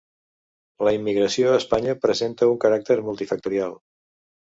La immigració a Espanya presenta un caràcter multifactorial.